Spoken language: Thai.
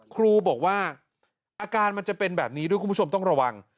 ครูบอกว่าอาการมันจะเป็นแบบนี้ด้วยคุณผู้ชมต้องระวัง